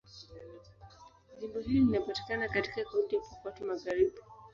Jimbo hili linapatikana katika Kaunti ya Pokot Magharibi.